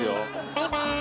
バイバーイ。